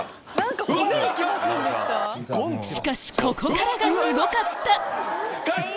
しかしここからがすごかった！